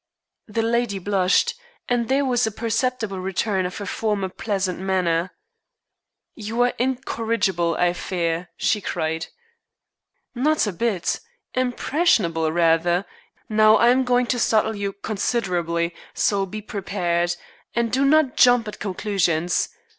The lady blushed, and there was a perceptible return to her former pleasant manner. "You are incorrigible, I fear," she cried. "Not a bit. Impressionable, rather. Now, I am going to startle you considerably, so be prepared. And do not jump at conclusions.